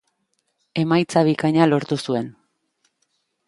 Emaitza bikaina lortu zuen.